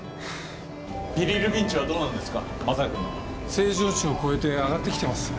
正常値を超えて上がってきてます。